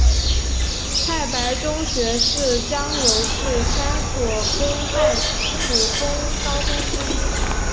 太白中学是江油市三所公办普通高中之一。